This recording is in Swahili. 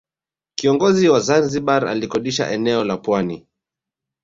Kiongozi wa Zanzibar alikodisha eneo la pwani